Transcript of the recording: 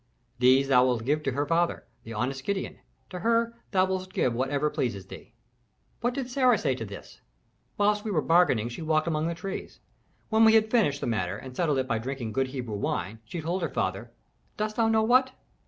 These thou wilt give to her father, the honest Gideon; to her thou wilt give whatever pleases thee." "What did Sarah say to this?" "While we were bargaining she walked among the trees. When we had finished the matter and settled it by drinking good Hebrew wine, she told her father dost thou know what?